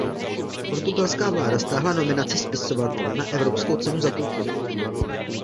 Portugalská vláda stáhla nominaci spisovatele na Evropskou cenu za kulturu.